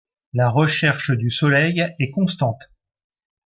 La recherche du soleil est constante.